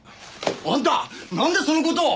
あんたなんでその事を！